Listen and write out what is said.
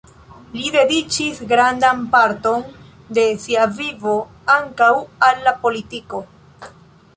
Li dediĉis grandan parton de sia vivo ankaŭ al la politiko.